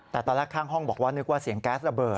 แต่ตอนแรกข้างห้องบอกว่านึกว่าเสียงแก๊สระเบิด